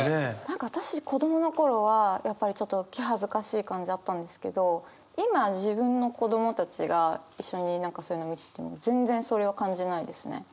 何か私子供の頃はやっぱりちょっと気恥ずかしい感じあったんですけど今自分の子供たちが一緒に何かそういうの見てても全然それは感じないですね。